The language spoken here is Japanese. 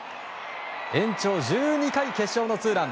延長１２回、決勝のツーラン。